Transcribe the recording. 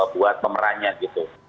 buat pemerannya gitu